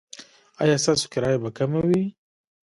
ایا ستاسو کرایه به کمه وي؟